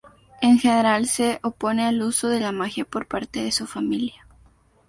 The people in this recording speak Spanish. En general, se opone al uso de la magia por parte de su familia.